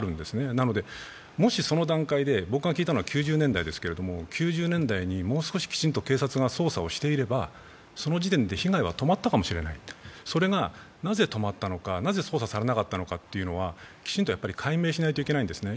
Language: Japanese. なので、もしその段階で、僕が聞いたのは９０年代ですけど、９０年代にもう少しきちんと警察が捜査をしていれば、その時点で被害は止まったかもしれない、それがなぜ止まったのかなぜ捜査されなかったのかというのはきちんと解明しないといけないんですね。